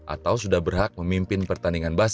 atau sudah berhak memimpin pertandingan